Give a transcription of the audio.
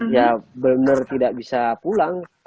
ya benar benar tidak bisa pulang